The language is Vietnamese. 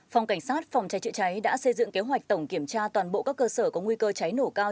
phòng cảnh sát phòng cháy chữa cháy đã xây dựng kế hoạch tổng kiểm tra toàn bộ các cơ sở có nguy cơ cháy nổ cao